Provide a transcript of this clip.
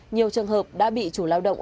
nhiều trường hợp đã bị chủ lao động